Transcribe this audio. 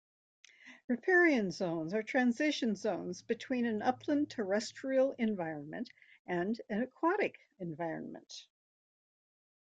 Riparian zones are transition zones between an upland terrestrial environment and an aquatic environment.